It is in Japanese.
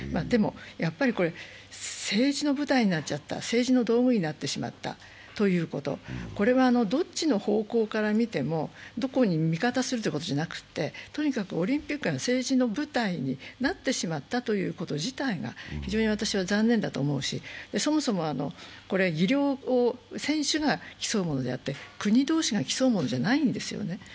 でも、やっぱり政治の舞台になっちゃった、政治の道具になってしまったということ、これはどっちの方向から見ても、どこに味方するというんじゃなくて、とにかくオリンピックが政治の舞台になってしまったということ自体が非常に私は残念だと思うし、そもそも技量を選手が競うものであって国同士が競うものではないんですよね。